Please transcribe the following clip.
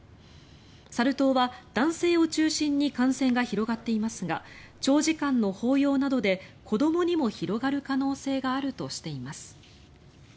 サル痘は男性を中心に感染が広がっていますが長時間の抱擁などで子どもにも広がる可能性があるとしています。